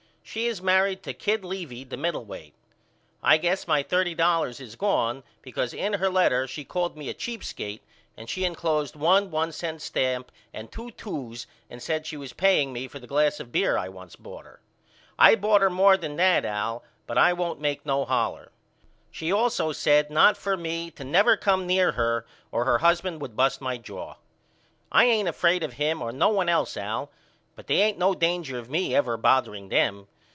She is married to Kid Levy the middle weight. I guess my thirty dollars is gone because in her letter she called me a cheap skate and she inclosed one one cent stamp and two twos and said she was paying me for the glass of beer I once bought her, I bought her more than that Al but I won't make no holler. She all so said not for me to never come near her or her husband would bust my jaw. I ain't afraid of him or no one else Al but they ain't no danger of me ever bothering them.